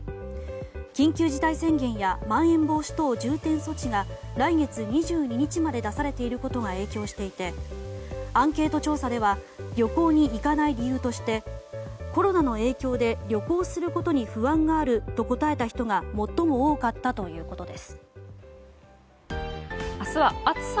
緊急事態宣言やまん延防止等重点措置が来月２２日まで出されていることが影響していてアンケート調査では旅行に行かない理由としてコロナの影響で旅行することに不安があると答えた人が最も多かったということです。